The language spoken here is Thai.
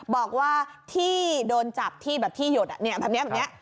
บอกว่าที่โดนจับที่หยดแบบนี้